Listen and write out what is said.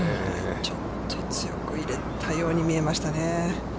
ちょっと強く入れたように見えましたね。